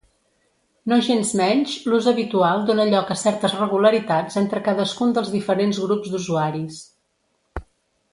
Nogensmenys, l'ús habitual dóna lloc a certes regularitats entre cadascun dels diferents grups d'usuaris.